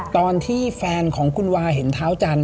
ตอนที่แฟนของคุณวาเห็นเท้าจันท